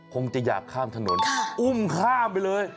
คงจะอยากข้ามถนนอุ้มข้ามไปเลย